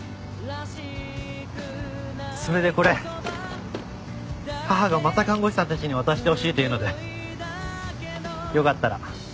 それでこれ母がまた看護師さんたちに渡してほしいというのでよかったら。